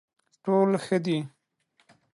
ټول ښه دي.